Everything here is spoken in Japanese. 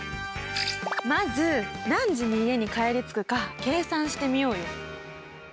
まず何時に家に帰り着くか計算してみようよ。